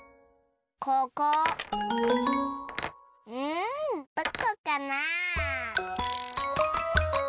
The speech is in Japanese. うんどこかな？